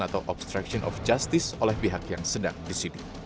atau obstruction of justice oleh pihak yang sedang disidik